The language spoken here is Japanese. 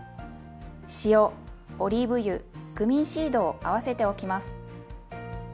塩オリーブ油クミンシードを合わせておきます。